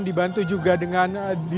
dibantu juga dengan